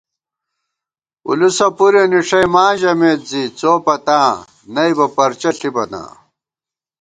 پُلُسہ پُرےنِݭَئی ماں ژَمېت زی څو پتاں نئیبہ پرچہ ݪِبہ نا